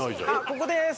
ここです！